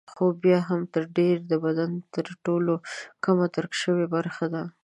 خو بیا هم تر ډېره د بدن تر ټولو کمه درک شوې برخه ده.